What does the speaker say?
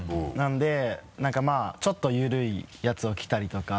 んでなんかまぁちょっと緩いやつを着たりとか。